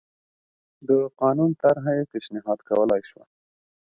د قانون طرحه یې پېشنهاد کولای شوه